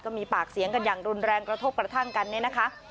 มีปากเสียงกันอย่างรุนแรงกระทบกระทั่งกันเนี่ยนะคะ